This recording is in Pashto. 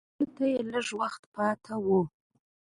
خپرولو ته یې لږ وخت پاته و.